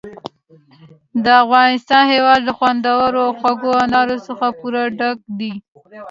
د افغانستان هېواد له خوندورو او خوږو انارو څخه پوره ډک دی.